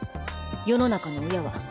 世の中の親は。